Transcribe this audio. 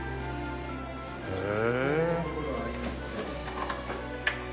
へえ。